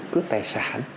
cướp tài sản